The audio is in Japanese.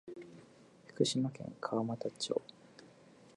福島県川俣町